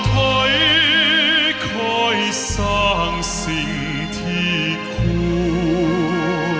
ถอยคอยสร้างสิ่งที่คู่